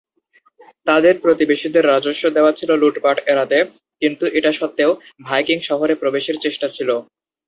তাদের প্রতিবেশীদের রাজস্ব দেওয়া ছিল লুটপাট এড়াতে, কিন্তু এটা সত্ত্বেও, ভাইকিং শহরে প্রবেশের চেষ্টা ছিল।